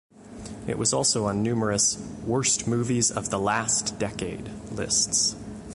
It was also on numerous "Worst Movies of the Last Decade" lists.